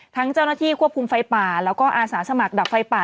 เจ้าหน้าที่ควบคุมไฟป่าแล้วก็อาสาสมัครดับไฟป่า